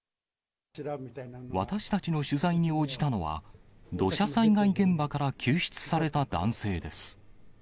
私たちの取材に応じたのは、土砂災害現場から救出された男性です。